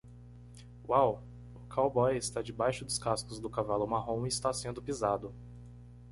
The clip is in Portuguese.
Uau! O cowboy está debaixo dos cascos do cavalo marrom e está sendo pisado.